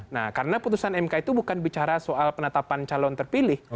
nah karena putusan mk itu bukan bicara soal penetapan calon terpilih